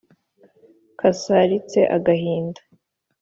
kasaritse agahinda